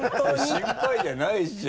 心配じゃないでしょ